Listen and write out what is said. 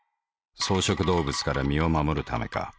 草食動物から身を護るためか。